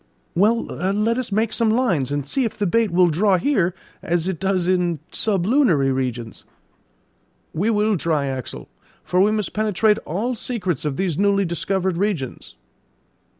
"Well, let us make some lines, and see if the bait will draw here as it does in sublunary regions." "We will try, Axel, for we must penetrate all secrets of these newly discovered regions."